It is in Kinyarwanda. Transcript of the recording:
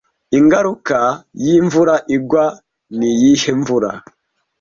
Ingaruka yimvura igwa niyihe mvura